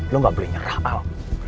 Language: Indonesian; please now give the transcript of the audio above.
lo gak boleh nyerah al